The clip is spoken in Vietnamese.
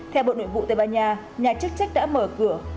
theo bộ nội vụ tây ban nha nhà chức trách đã mở cửa